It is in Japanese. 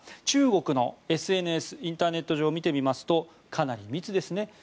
中国のＳＮＳインターネット上を見てみますとかなり密ですね